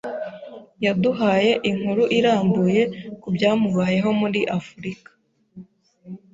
Yaduhaye inkuru irambuye kubyamubayeho muri Afrika.